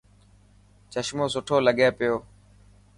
چشمو سٺو لگي پيو